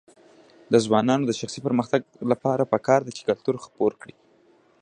د ځوانانو د شخصي پرمختګ لپاره پکار ده چې کلتور خپور کړي.